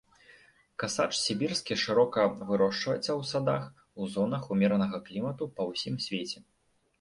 Касач сібірскі шырока вырошчваецца ў садах у зонах умеранага клімату па ўсім свеце.